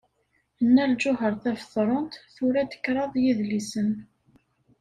Nna Lǧuheṛ Tabetṛunt tura-d kraḍ yedlisen.